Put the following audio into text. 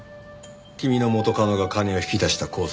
君の元カノが金を引き出した口座